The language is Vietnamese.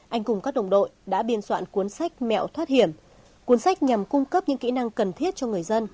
anh cùng các đồng đội đã biên soạn cuốn sách mẹo thoát hiểm cuốn sách nhằm cung cấp những kỹ năng cần thiết cho người dân